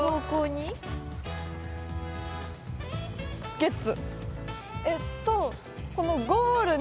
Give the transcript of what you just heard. ゲッツ！